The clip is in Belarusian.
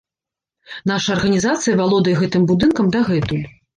Наша арганізацыя валодае гэтым будынкам дагэтуль.